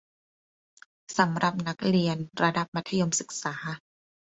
สำหรับนักเรียนระดับมัธยมศึกษา